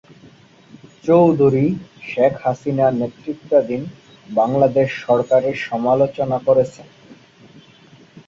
চৌধুরী শেখ হাসিনা নেতৃত্বাধীন বাংলাদেশের সরকারের সমালোচনা করছেন।